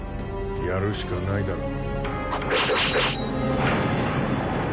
やるしかないだろう。